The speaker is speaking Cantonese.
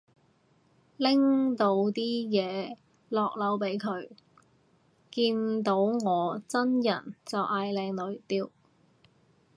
拎到啲嘢落樓俾佢，見到我真人就嗌靚女，屌